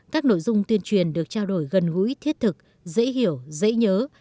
các nội dung tuyên truyền được trao đổi gần gũi thiết thực dễ hiểu dễ nhớ